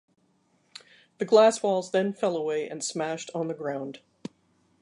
The glass walls then fell away and smashed on the ground.